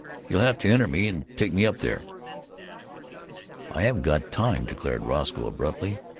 "You'll have to enter me and take me up there." "I haven't got time," declared Roscoe abruptly.